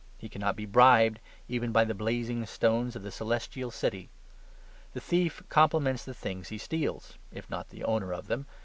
He cannot be bribed, even by the blazing stones of the Celestial City. The thief compliments the things he steals, if not the owner of them.